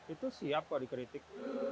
itu siap kalau dikritik